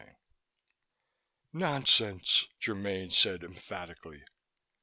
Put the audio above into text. CHAPTER 29 "Nonsense!" Germaine said emphatically.